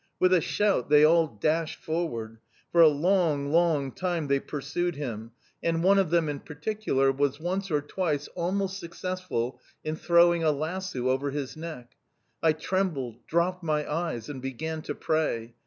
With a shout they all dashed forward. For a long, long time they pursued him, and one of them, in particular, was once or twice almost successful in throwing a lasso over his neck. "I trembled, dropped my eyes, and began to pray.